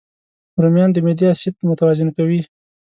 رومیان د معدې اسید متوازن کوي